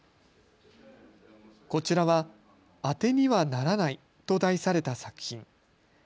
こちらは当てにはならないと題された作品。